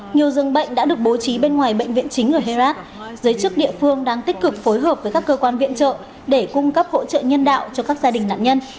nhiều dương bệnh đã được bố trí bên ngoài bệnh viện chính ở herat giới chức địa phương đang tích cực phối hợp với các cơ quan viện trợ để cung cấp hỗ trợ nhân đạo cho các gia đình nạn nhân